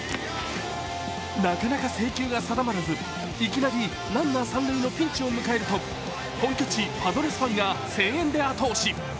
なかなか制球が定まらずいきなりランナー三塁のピンチを迎えると本拠地パドレスファンが声援で後押し。